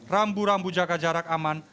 rambu rambu jaga jarak aman